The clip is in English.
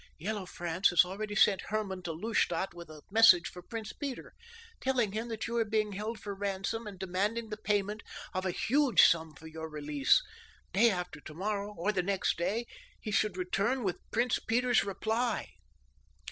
"Yellow Franz has already sent Herman to Lustadt with a message for Prince Peter, telling him that you are being held for ransom, and demanding the payment of a huge sum for your release. Day after tomorrow or the next day he should return with Prince Peter's reply.